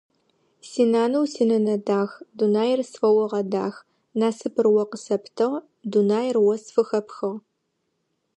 Синанэу синэнэ дах, дунаир сфэогъэдах, насыпыр о къысэптыгъ, дунаир о сфыхэпхыгъ.